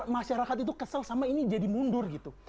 masyarakat itu kesel sama ini jadi mundur gitu